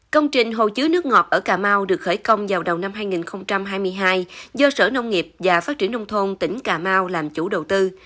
công trình hồ chứa nước ngọt ở cà mau được khởi công vào đầu năm hai nghìn hai mươi hai do sở nông nghiệp và phát triển nông thôn tỉnh cà mau làm chủ đầu tư